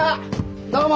どうも。